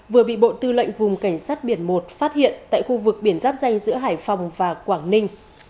vừa bị bộ tư lệnh vùng cảnh sát biển một phát hiện tại khu vực biển giáp danh giữa hải phòng và quảng ninh